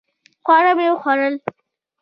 خواړه مې وخوړل